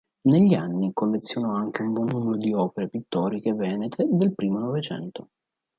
Negli anni collezionò anche un buon numero di opere pittoriche venete del primo Novecento.